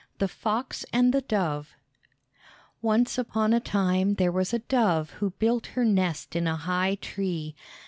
The Fox and the Dove Once upon a time there was a dove who built her nest in a high tree.